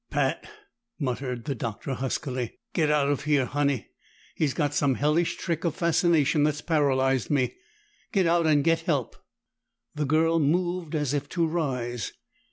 "Pat!" muttered the Doctor huskily. "Get out of here, Honey! He's got some hellish trick of fascination that's paralyzed me. Get out and get help!" The girl moved as if to rise.